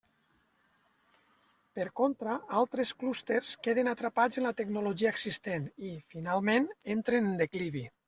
Per contra, altres clústers queden atrapats en la tecnologia existent i, finalment, entren en declivi.